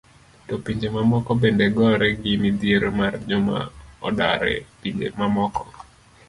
To pinje mamoko bende gore gi midhiero mar joma odar e pinje mamoko?